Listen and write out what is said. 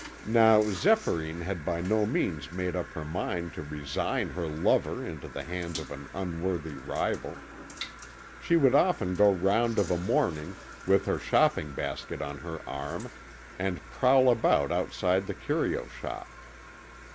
Now Zéphyrine had by no means made up her mind to resign her lover into the hands of an unworthy rival. She would often go round of a morning, with her shopping basket on her arm, and prowl about outside the curio shop.